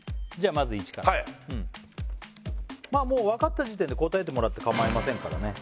まず１からはいまあもう分かった時点で答えてもらってかまいませんからね